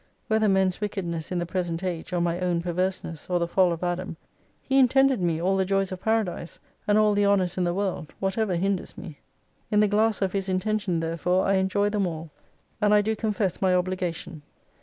Whether men's wickedness in the present age, or my own perverseness, or the fall of Adam ; He intended me all the joys of Paradise, and all the honours in the world, whatever hinders me. In the glass of His 307 intention therefore I enjoy them all : and I do confess my obligation.